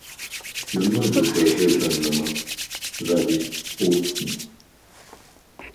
Le mode de raisonnement varie aussi.